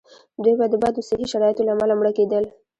دوی به د بدو صحي شرایطو له امله مړه کېدل.